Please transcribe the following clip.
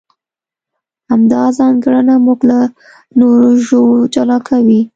همدا ځانګړنه موږ له نورو ژوو جلا کوي.